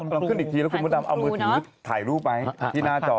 เราขึ้นอีกทีแล้วคุณพระดำเอามือถือถ่ายรูปไว้ที่หน้าจอ